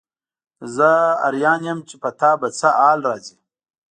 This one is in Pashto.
زه حیران یم چې په تا به څه حال راځي.